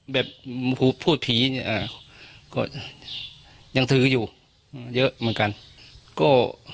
แบบผู้พูดผีอ่ะก็ยังถืออยู่เยอะเหมือนกันก็